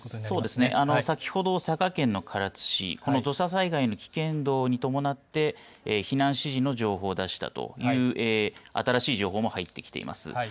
そうですね、先ほど佐賀県の唐津市、この土砂災害の危険度に伴って、避難指示の情報を出したという新しい情報も入ってきています。